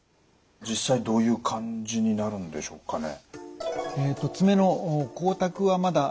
実際どういう感じになるんでしょうかね？